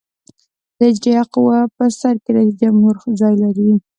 د اجرائیه قوې په سر کې جمهور رئیس ځای لري.